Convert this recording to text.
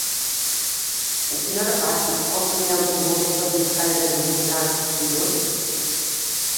A quina hora passa el primer autobús per Bellcaire d'Empordà dilluns?